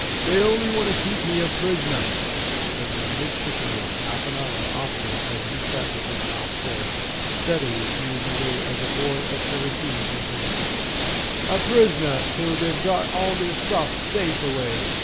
"They only want to keep me a prisoner," said the midshipman half an hour after, as he sat with his mouth full, steadily eating away as a boy of seventeen can eat "a prisoner till they've got all their stuff safe away.